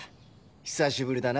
久しぶりだな。